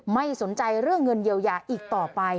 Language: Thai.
ไม่สนใจเรื่องเงินเยียวยาอีกต่อไป